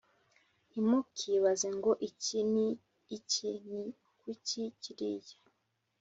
Ntimukibaze ngo «Iki ni iki? Ni kuki kiriya?»,